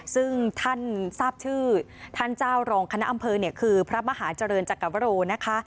ซึ่งท่านทราบชื่อท่านเจ้ารองคณะอำเภอเนี่ยคือพระมหาเจริญจักรวโรนะคะ